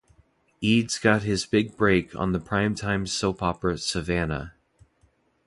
Eads got his big break on the primetime soap opera "Savannah".